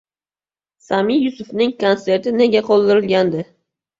Sami Yusufning kontserti nega qoldirilgandi?